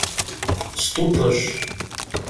Sṭuṭec.